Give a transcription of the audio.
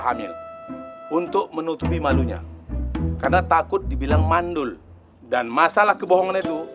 hamil untuk menutupi malunya karena takut dibilang mandul dan masalah kebohongan itu